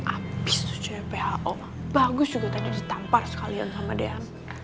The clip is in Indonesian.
abis tuh cuy pho bagus juga tadi ditampar sekalian sama dean